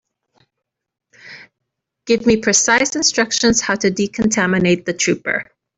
Give me precise instructions how to decontaminate the trooper.